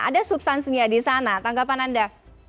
ada substansinya di sana tanggapan anda